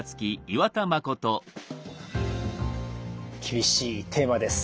厳しいテーマです。